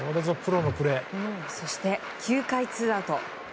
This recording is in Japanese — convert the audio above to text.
そして９回ツーアウト。